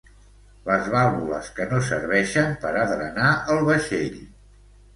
Les vàlvules que no serveixen per a drenar el vaixell.